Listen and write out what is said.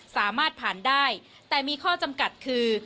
สามารถผ่านได้แต่มีข้อจำกัดคือ